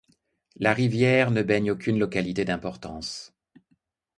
La rivière ne baigne aucune localité d'importance.